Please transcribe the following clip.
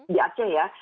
di aceh ya